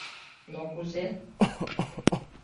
Но кузе?